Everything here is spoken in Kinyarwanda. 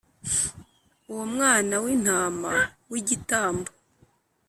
Uwo mwana w intama w igitambo